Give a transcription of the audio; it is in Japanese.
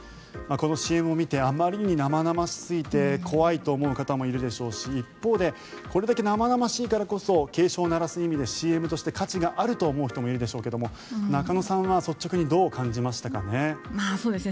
このＣＭを見てあまりに生々しすぎて怖いと思う方もいるでしょうし一方で、これだけ生々しいからこそ警鐘を鳴らす意味でＣＭとして価値があると思う人もいるでしょうけれども中野さんは率直にどう感じましたかね。